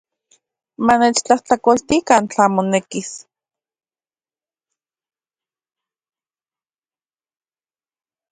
Manechtlajtlakoltikan tlan monekis.